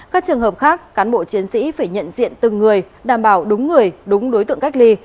các trường hợp khác cán bộ chiến sĩ phải nhận diện từng người đảm bảo đúng người đúng đối tượng cách ly